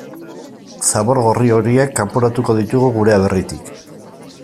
Zabor gorri horiek kanporatuko ditugu gure aberritik.